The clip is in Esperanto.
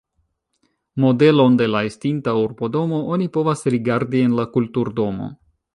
Modelon de la estinta urbodomo oni povas rigardi en la kulturdomo.